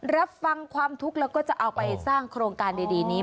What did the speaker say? รับฟังความทุกข์แล้วก็จะเอาไปสร้างโครงการดีนี้